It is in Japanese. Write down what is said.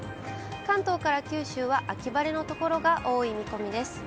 関東から九州は秋晴れの所が多い見込みです。